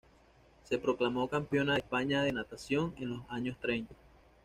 Se proclamó campeona de España de natación en los años treinta.